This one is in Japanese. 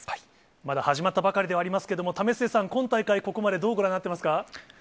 まだ始まったばかりではありますけれども、為末さん、今大会、ここまでどうご覧になっています